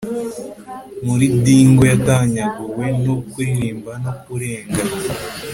muri dingle yatanyaguwe no kuririmba no kurenga